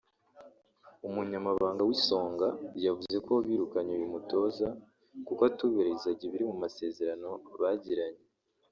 umunyamabanga w’Isonga yavuze ko birukanye uyu mutoza kuko atubahirizaga ibiri mu masezerano bagiranye